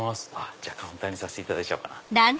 じゃあカウンターにさせていただいちゃおうかな。